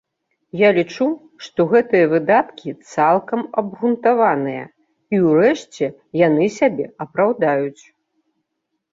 Я лічу, што гэтыя выдаткі цалкам абгрунтаваныя і ўрэшце яны сябе апраўдаюць.